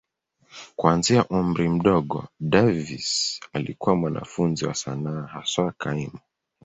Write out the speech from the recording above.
Kuanzia umri mdogo, Davis alikuwa mwanafunzi wa sanaa, haswa kaimu.